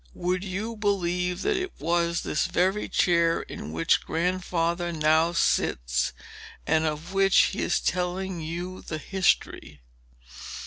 Would you believe that it was this very chair in which grandfather now sits, and of which he is telling you the history?"